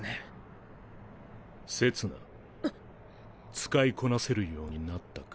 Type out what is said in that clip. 使いこなせるようになったか？